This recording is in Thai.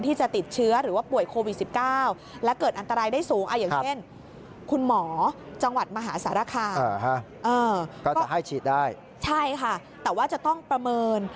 แต่ว่าจะต้องประเมิน